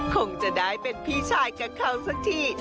คงจะได้เป็นพี่ชายกับเขาสักที